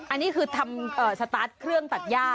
อันนี้คือทำสตาร์ทเครื่องตัดย่า